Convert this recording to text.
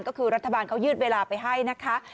ก็คือรัฐบาลเขายืดเวลาไปให้นะคะ